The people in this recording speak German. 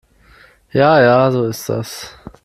Ja ja, so ist das.